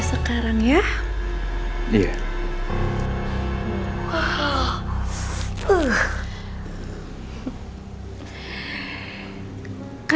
ini bukan pertarungan en uni apa